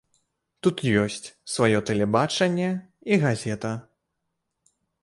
Тут ёсць сваё тэлебачанне і газета.